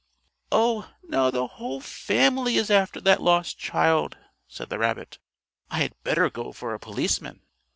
"Oh, now the whole family is after that lost child," said the rabbit. "I had better go for a policeman."